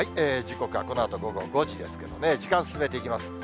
時刻はこのあと午後５時ですけどね、時間進めていきます。